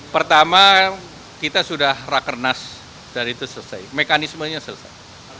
pertama kita sudah rakernas dan itu selesai mekanismenya selesai